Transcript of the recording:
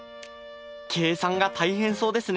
計算が大変そうですね。